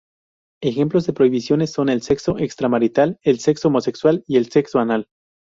Ejemplos de prohibiciones son el sexo extramarital, sexo homosexual y sexo anal.